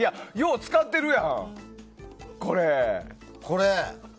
使ってるやん、これ。